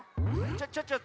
ちょちょちょ